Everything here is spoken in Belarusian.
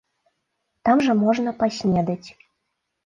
Там жа можна паснедаць.